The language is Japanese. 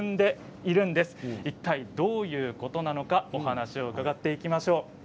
いったいどういうことなのかお話を伺っていきます。